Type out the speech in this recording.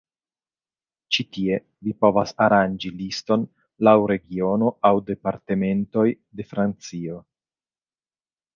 Ĉi tie, vi povas aranĝi liston laŭ regiono aŭ Departementoj de Francio.